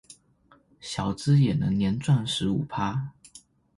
小資也能年賺十五趴